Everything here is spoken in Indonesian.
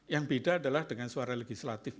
yang beda adalah dengan suara legislatif